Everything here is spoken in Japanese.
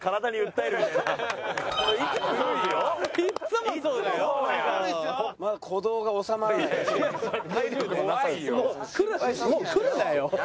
もう来るなよ。